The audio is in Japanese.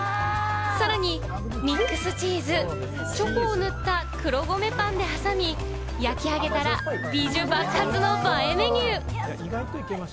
さらにミックスチーズ、チョコを塗った黒米パンで挟み、焼き上げたら、ビジュ爆発の映えメニュー！